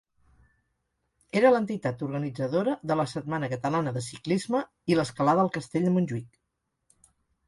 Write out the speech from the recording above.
Era l'entitat organitzadora de la Setmana Catalana de Ciclisme i l'Escalada al Castell de Montjuïc.